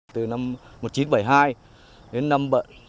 từ năm một nghìn chín trăm bảy mươi hai đến năm hai nghìn một mươi bảy